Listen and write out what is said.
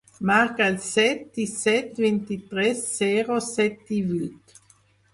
Marca el set, disset, vint-i-tres, zero, set, divuit.